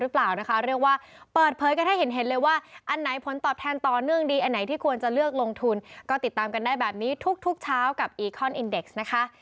ก็ขอขอบพระคุณนะครับกลับไปที่ห้องส่งครับสวัสดีครับ